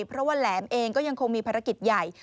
เพราะว่าแหลมเองก็ยังคงมีภารกิจใหญ่